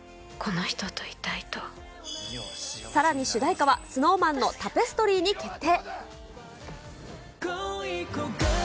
さらに主題歌は、ＳｎｏｗＭａｎのタペストリーに決定。